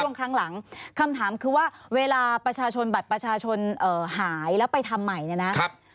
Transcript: ช่วงครั้งหลังคำถามคือว่าเวลาประชาชนบัตรประชาชนหายแล้วไปทำใหม่เนี่ยนะครับ